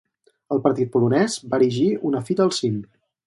El partit polonès va erigir una fita al cim.